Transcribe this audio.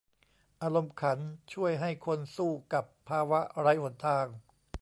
อารมณ์ขันช่วยให้คนสู้กับภาวะไร้หนทาง